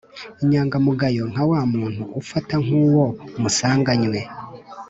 inyangamugayo, nka wa muntu ufata nk'uwo musanganywe